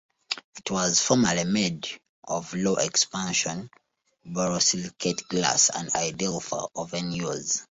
It was formerly made of low expansion borosilicate glass and ideal for oven use.